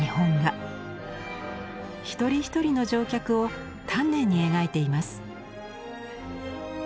一人一人の乗客を丹念に描いています。